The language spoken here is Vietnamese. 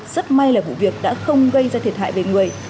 rất may là vụ việc đã không gây ra thiệt hại bệnh